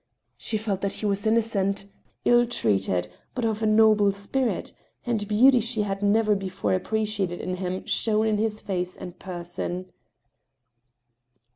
She felt that he was innocent, ill treated, but of a noble spirit ; a beauty she had never before appre ciated in him shone in his face and person.